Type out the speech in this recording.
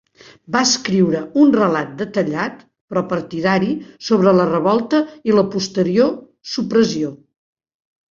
Va escriure un relat detallat, però partidari, sobre la revolta i la posterior supressió.